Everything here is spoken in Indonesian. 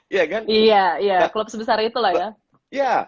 iya iya klub sebesar itu lah ya